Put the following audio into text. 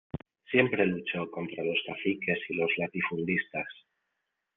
Siempre luchó contra los caciques y los latifundistas.